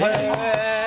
へえ！